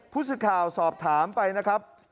ผู้สื่อข่าวสอบถามไปนะครับ